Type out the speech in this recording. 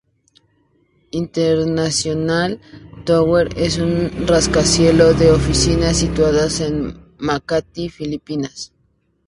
International Tower es un rascacielos de oficinas situado en Makati, Filipinas.